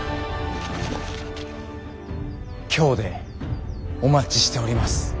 京でお待ちしております。